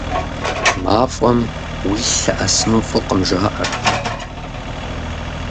МафӀэм уилъ лъэӀэсыну фӀыкъым, жаӀэрт.